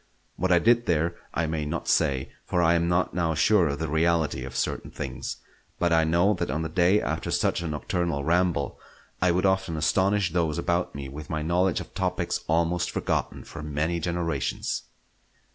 What I did there I may not say, for I am not now sure of the reality of certain things; but I know that on the day after such a nocturnal ramble I would often astonish those about me with my knowledge of topics almost forgotten for many generations.